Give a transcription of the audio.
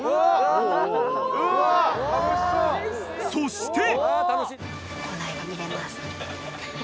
［そして］